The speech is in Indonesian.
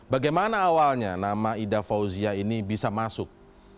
bagaimana awalnya nama ida fauzia ini bisa masuk